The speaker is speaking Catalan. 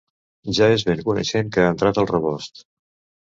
Ja és ben coneixent que han entrat al rebost.